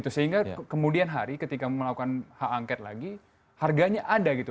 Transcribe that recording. sehingga kemudian hari ketika melakukan hak angket lagi harganya ada gitu